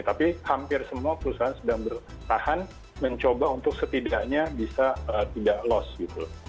tapi hampir semua perusahaan sedang bertahan mencoba untuk setidaknya bisa tidak loss gitu